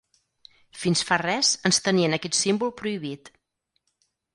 Fins fa res ens tenien aquest símbol prohibit.